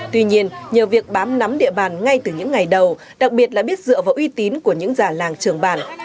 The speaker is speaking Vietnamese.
tuy nhiên nhờ việc bám nắm địa bàn ngay từ những ngày đầu đặc biệt là biết dựa vào uy tín của những già làng trường bản